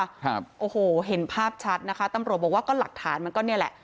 ครับโอ้โหเห็นภาพชัดนะคะตำรวจบอกว่าก็หลักฐานมันก็เนี่ยแหละ